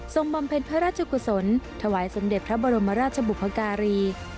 บำเพ็ญพระราชกุศลถวายสมเด็จพระบรมราชบุพการี